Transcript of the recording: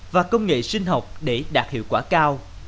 và công nghệ sinh học để đạt hiệu quả cao